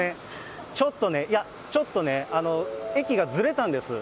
ちょっとね、いや、ちょっとね、駅がずれたんです。